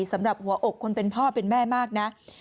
สำหรับหัวอกคนเป็นพ่อเป็นแม่มากนะ